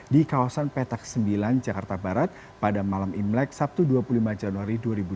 di kawasan petak sembilan jakarta barat pada malam imlek sabtu dua puluh lima januari dua ribu dua puluh